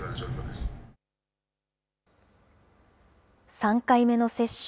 ３回目の接種。